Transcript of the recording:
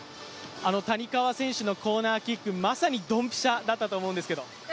谷川選手のコーナーキック、まさにドンピシャだったと思うんですけど。